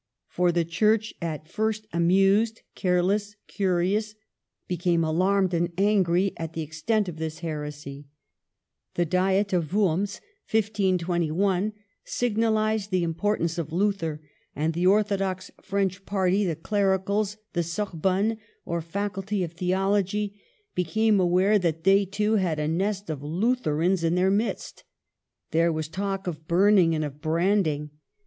For the Church, at first amused, careless, curious, became alarmed and angry at the ex tent of this heresy. The Diet of Worms (1521) signalized the importance of Luther; and the orthodox French party, the clericals, the Sor bonne or Faculty of Theology, became aware that they, too, had a nest of Lutherans in their midst. There was talk of burning and of brand ling.